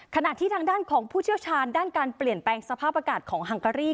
ขณะที่ทางด้านของผู้เชี่ยวชาญด้านการเปลี่ยนแปลงสภาพอากาศของฮังการี